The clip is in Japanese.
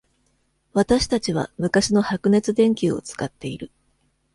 私たちは昔の白熱電球を使っている。